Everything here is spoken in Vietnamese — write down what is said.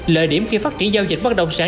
lợi điểm khi phát triển giao dịch bất động sản